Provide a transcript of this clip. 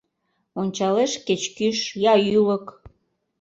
Ончалеш кеч кӱш я ӱлык —